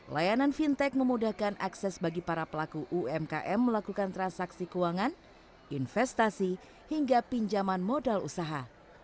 layanan fintech memudahkan akses bagi para pelaku umkm melakukan transaksi keuangan investasi hingga pinjaman modal usaha